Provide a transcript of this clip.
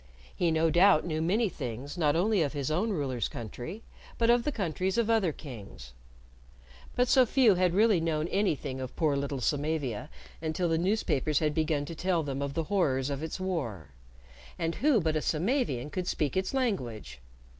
He no doubt knew many things not only of his own ruler's country, but of the countries of other kings. But so few had really known anything of poor little Samavia until the newspapers had begun to tell them of the horrors of its war and who but a Samavian could speak its language?